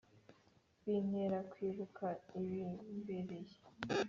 bintera kwibuka ibimbereye